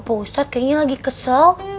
pak ustadz kayaknya lagi kesel